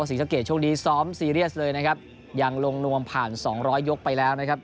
ศรีสะเกดช่วงนี้ซ้อมซีเรียสเลยนะครับยังลงนวมผ่านสองร้อยยกไปแล้วนะครับ